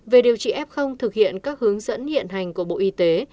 về điều trị f thực hiện các hướng dẫn hiện hành của bộ y tế